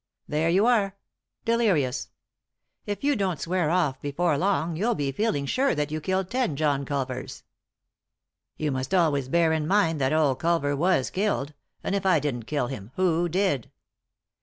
" There yon are — delirious 1 If you don't swear off before long you'll be feeling sure that you killed ten John Culvers." " You must always bear in mind that old Culver was killed ; and if I didn't kill him, who did